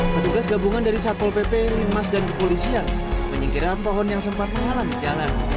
petugas gabungan dari satpol pp linmas dan kepolisian menyingkirkan pohon yang sempat mengalami jalan